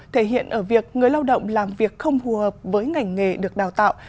thể hiện ở việc người lao động làm việc không hù hợp với ngành nghề được đào tạo